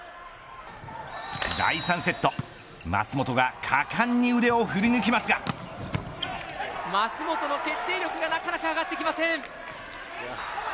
第３セット舛本が果敢に腕を振り抜きますが舛本の決定力がなかなか上がってきません。